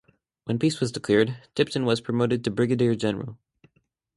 When peace was declared, Tipton was promoted to Brigadier-General.